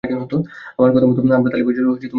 আমার কথামত, আমরা তালি বাজালে তুমিও বাজাবে।